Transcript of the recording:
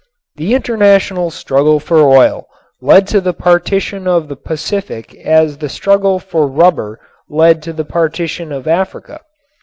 The international struggle for oil led to the partition of the Pacific as the struggle for rubber led to the partition of Africa.